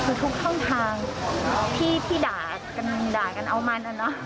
ก็ทุกท่องทางที่ด่ากันเอามันอ่ะเนอะ